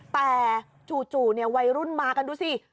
แต่จู่วัยรุ่นมากันดูสิ